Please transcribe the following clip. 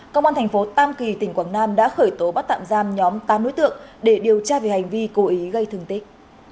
công an thành phố tam kỳ tỉnh quảng nam đã khởi tố bắt tạm giam nhóm tám đối tượng để điều tra về hành vi cố ý gây thương tích